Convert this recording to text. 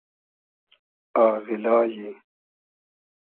آغیلای